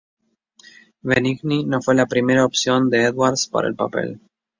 Benigni no fue la primera opción de Edwards para el papel.